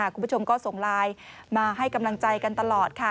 คุณผู้ชมก็ส่งไลน์มาให้กำลังใจกันตลอดค่ะ